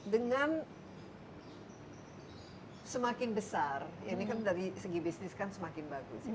dengan semakin besar ini kan dari segi bisnis kan semakin bagus